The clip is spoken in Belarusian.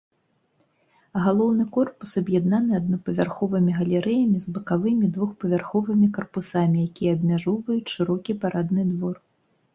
Галоўны корпус аб'яднаны аднапавярховымі галерэямі з бакавымі двухпавярховымі карпусамі, якія абмяжоўваюць шырокі парадны двор.